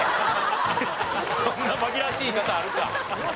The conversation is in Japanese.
そんな紛らわしい言い方あるか！